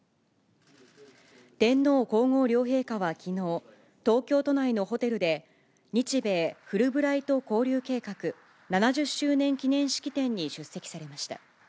天皇皇后両陛下はきのう、東京都内のホテルで、日米フルブライト交流計画７０周年記念式典に出席されました。